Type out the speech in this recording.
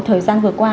thời gian vừa qua